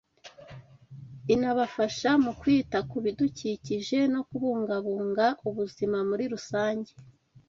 Inabafasha mu kwita ku bidukikije no kubungabunga ubuzima muri rusange